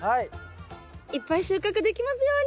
いっぱい収穫できますように！